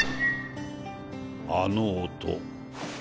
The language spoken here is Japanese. あの音。